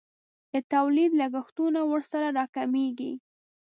د تولید لګښتونه ورسره راکمیږي.